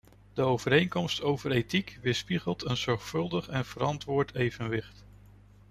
De overeenkomst over ethiek weerspiegelt een zorgvuldig en verantwoord evenwicht.